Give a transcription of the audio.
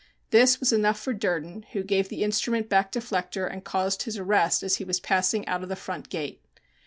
This was enough for Durden, who gave the instrument back to Flechter and caused his arrest as he was passing out of the front gate.